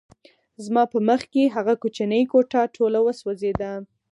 زما په مخکې هغه کوچنۍ کوټه ټوله وسوځېده